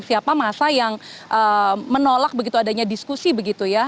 siapa masa yang menolak begitu adanya diskusi begitu ya